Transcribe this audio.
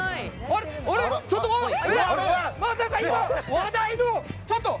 あ、ちょっと！